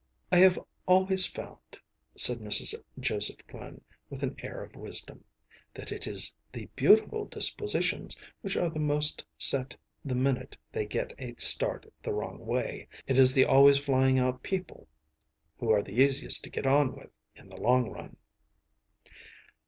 ‚ÄĚ “I have always found,‚ÄĚ said Mrs. Joseph Glynn, with an air of wisdom, “that it is the beautiful dispositions which are the most set the minute they get a start the wrong way. It is the always flying out people who are the easiest to get on with in the long run.